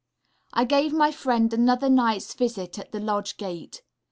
I gave my friend another night's visit at the lodge gate.